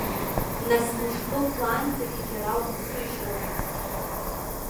Нас мышкы хәлаанӡагьы џьара унсыжьуамызт!